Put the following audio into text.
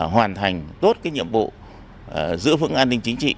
hoàn thành tốt cái nhiệm vụ giữ vững an ninh chính trị